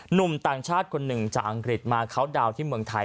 หนุ่มต่างชาติคนหนึ่งจากอังกฤษมาเขาดาวน์ที่เมืองไทย